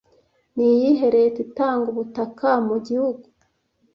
Niyihe Leta itanga ubutaka mu gihugu